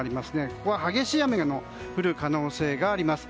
ここは激しい雨の降る可能性があります。